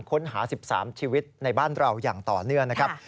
ค้นหา๑๓ชีวิตในบ้านเราอย่างต่อเนื่องนะครับ